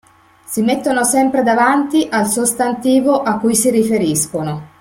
Si mettono sempre davanti al sostantivo a cui si riferiscono.